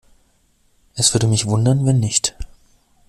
Es würde mich wundern, wenn nicht.